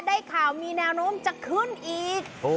ได้ข่าวมีแนวโน้มจะขึ้นอีก